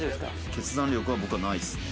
決断力は僕はないですね。